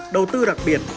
đầu tư đặc biệt